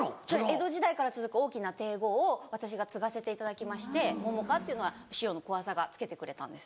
江戸時代から続く大きな亭号を私が継がせていただきまして桃花っていうのは師匠の小朝が付けてくれたんです。